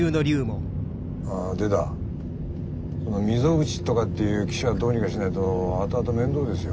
ああでだ溝口とかっていう記者をどうにかしないと後々面倒ですよ。